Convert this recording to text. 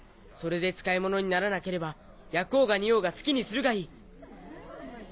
それで使いものにならなければ焼こうが煮ようが好きにするがいい。